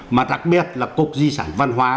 mà đặc biệt là cục di sản văn hóa